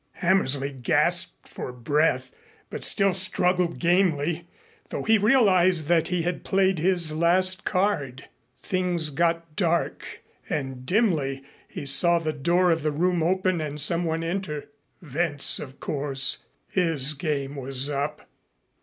Hammersley gasped for breath, but still struggled gamely, though he realized that he had played his last card. Things got dark, and dimly he saw the door of the room open and someone enter. Wentz, of course. His game was up.